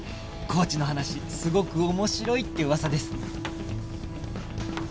コーチの話すごく面白いって噂です